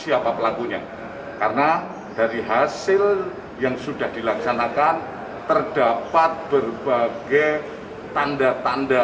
siapa pelakunya karena dari hasil yang sudah dilaksanakan terdapat berbagai tanda tanda